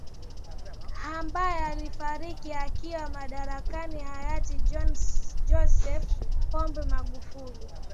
ambaye alifariki akiwa madarakani hayati John Joseph Pombe Magufuli